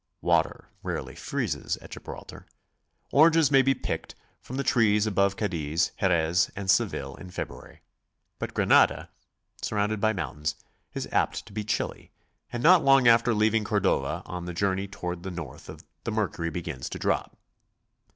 Water rarely freezes at Gibraltar. Oranges may be picked from the trees about Cadiz, Jerez, and Seville in February; but Granada, surrounded by mountains, is apt to be chilly, and not long after leaving Cordova on the journey toward the north the mercury begins to drop.